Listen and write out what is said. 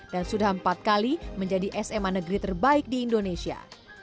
dan sudah empat kali menjadi sma negeri terbaik di indonesia